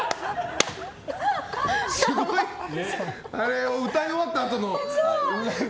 あれを歌い終わったあとのね。